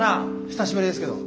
久しぶりですけど。